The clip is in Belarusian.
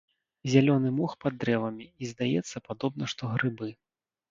Зялёны мох пад дрэвамі і, здаецца, падобна што грыбы.